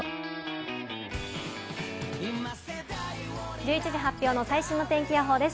１１時発表の最新の天気予報です。